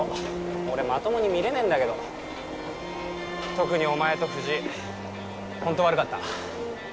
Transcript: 俺まともに見れねえんだけど特にお前と藤井ホント悪かった